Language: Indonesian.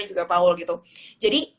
juga paul gitu jadi